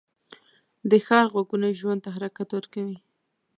د ښار غږونه ژوند ته حرکت ورکوي